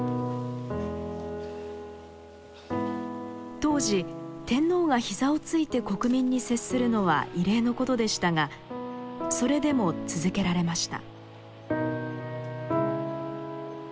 当時天皇が膝をついて国民に接するのは異例のことでしたがそれでも続けられました。